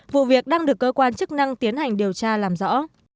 vụ việc đang được cơ quan chức năng tiến hành điều tra làm rõ